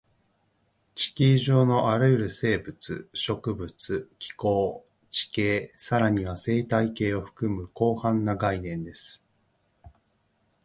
地球上のあらゆる生物、植物、気候、地形、さらには生態系を含む広範な概念です